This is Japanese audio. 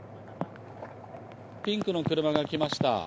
ピンクの車が来ました。